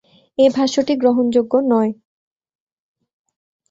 এ ভাষ্যটি গ্রহণযোগ্য নয়।